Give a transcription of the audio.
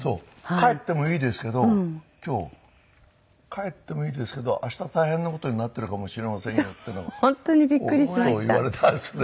帰ってもいいですけど今日帰ってもいいですけど明日大変な事になってるかもしれませんよっていう事を言われたんですよね。